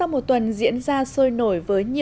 hội trại tuổi trẻ cát hải